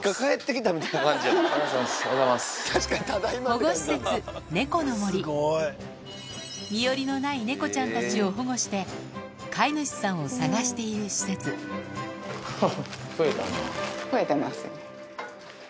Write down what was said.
保護施設猫の森身寄りのない猫ちゃんたちを保護して飼い主さんを探している施設ハハハ。